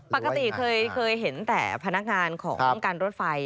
ปกติเคยเห็นแต่พนักงานของการรถไฟ